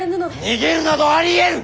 逃げるなどありえぬ！